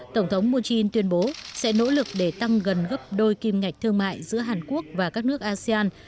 tổng thống moon jae in tuyên bố sẽ nỗ lực để tăng gần gấp đôi kim ngạch thương mại giữa hàn quốc và các nước asean